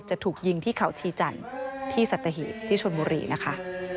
ถูกยิงที่เขาชีจันทร์ที่สัตหีบที่ชนบุรีนะคะ